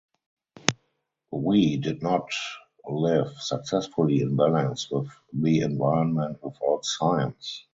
We did not live successfully in balance with the environment without science.